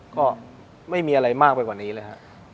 ก็ไม่มีอะไรมากไปกว่านี้เลยครับ